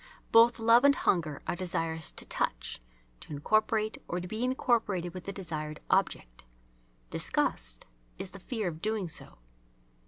Both love and hunger are desires to touch, (to incorporate or to be incorporated with the desired object); disgust is the fear of doing so.